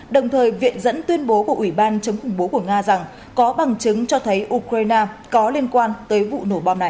đồng thời viện dẫn tuyên bố của ủy ban chống khủng bố của nga rằng có bằng chứng cho thấy ukraine có liên quan tới vụ nổ bom này